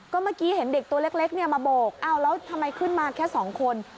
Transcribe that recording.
ก็เมื่อกี้เห็นเด็กตัวเล็กมาโบกอ้าวแล้วทำไมขึ้นมาแค่สองคน